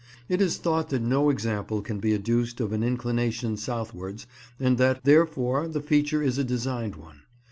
It is thought that no example can be adduced of an inclination southwards, and that, therefore, the feature is a designed one.